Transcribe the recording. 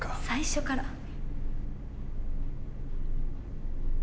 最初から。